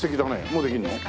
もうできるの？